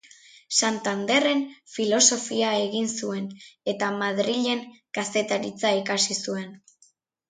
Santanderren filosofia egin zuen eta Madrilen kazetaritza ikasi zuen.